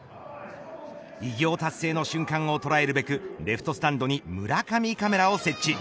偉業達成の瞬間を捉えるべくレフトスタンドに村上カメラを設置。